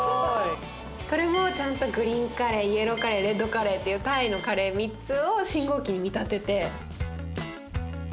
これもちゃんとグリーンカレーイエローカレーレッドカレーっていうタイのカレー３つを信号機に見立てて。